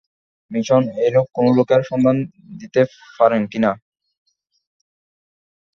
Mission এরূপ কোনো লোকের সন্ধান দিতে পারেন কি না?